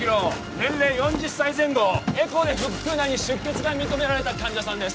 年齢４０歳前後エコーで腹腔内に出血が認められた患者さんです